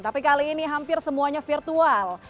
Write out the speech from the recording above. tapi kali ini hampir semuanya virtual